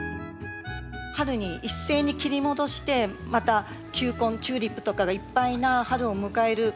春に一斉に切り戻してまた球根チューリップとかがいっぱいな春を迎える。